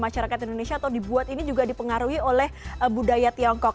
masyarakat indonesia atau dibuat ini juga dipengaruhi oleh budaya tiongkok